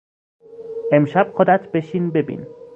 امشب خودت بشین ببین